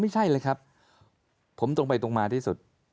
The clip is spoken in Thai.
ไม่ใช่เลยครับผมตรงไปตรงมาที่สุด